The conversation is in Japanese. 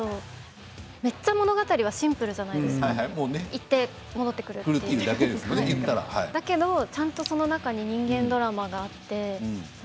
めっちゃ物語はシンプルじゃないですか行って戻ってくるだけどその中に人間ドラマがあって。